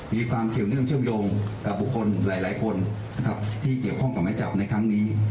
มีความเกี่ยวเนื่องเชื่อมโยงกับบุคคลหลายคนนะครับที่เกี่ยวข้องกับไม้จับในครั้งนี้